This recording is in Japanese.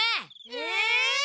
え！